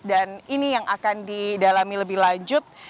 ini yang akan didalami lebih lanjut